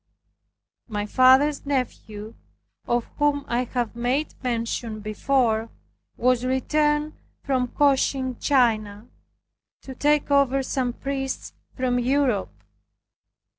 My father's nephew, of whom I have made mention before, was returned from Cochin China, to take over some priests from Europe.